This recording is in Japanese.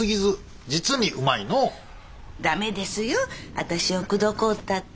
私を口説こうったって。